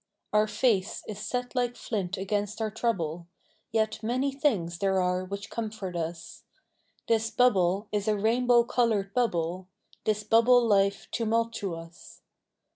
Our face is set like flint against our trouble, Yet many things there are which comfort us, This bubble is a rainbow colored bubble, This bubble life tumultuous.